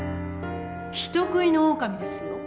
人食いのオオカミですよ？